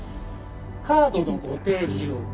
カードのご提示を。